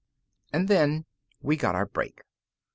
And then we got our break.